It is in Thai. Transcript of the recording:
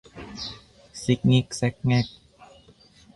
ซิกงิกแซ็กแง็ก